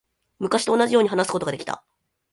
昔と同じように話すことができた。